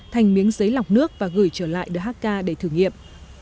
thành miếng giấy lọc nước và gửi trở lại dhk để thử nghiệm